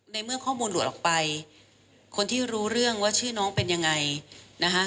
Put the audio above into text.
ในเมื่อข้อมูลหลุดออกไปคนที่รู้เรื่องว่าชื่อน้องเป็นยังไงนะคะ